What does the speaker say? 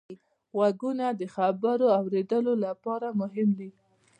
غوږونه د خبرو اورېدلو لپاره مهم دي